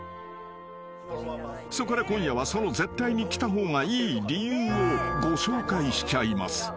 ［そこで今夜はその絶対に来た方がいい理由をご紹介しちゃいます］